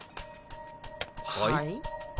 はい？